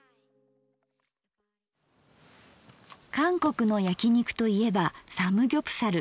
韓国のやき肉といえばサムギョプサル。